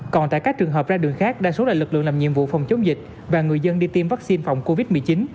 còn tại các trường hợp ra đường khác đa số là lực lượng làm nhiệm vụ phòng chống dịch và người dân đi tiêm vaccine phòng covid một mươi chín